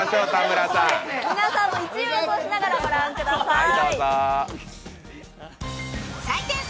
皆さんも１位を予想しながら御覧ください。